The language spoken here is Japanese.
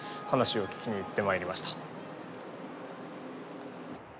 話を聞きに行ってまいりました。